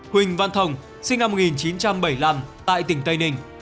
huỳnh văn thồng sinh năm một nghìn chín trăm bảy mươi năm tại tỉnh tây ninh